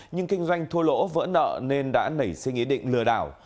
nhưng kinh doanh thua lỗ vỡ nợ nên đã nảy sinh ý định lừa đảo